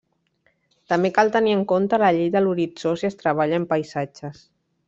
També cal tenir en compte la llei de l'horitzó si es treballa amb paisatges.